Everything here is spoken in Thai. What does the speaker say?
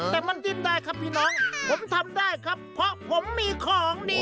แต่มันดิ้นได้ครับพี่น้องผมทำได้ครับเพราะผมมีของดี